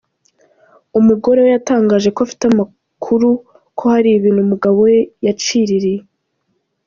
Umugore we yatangaje ko afite amakuru ko hari ibintu umugabo we yaciririye.